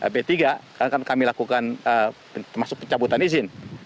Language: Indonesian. b tiga akan kami lakukan termasuk pencabutan izin